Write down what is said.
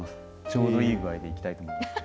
ちょうどいい具合でいきたいと思います。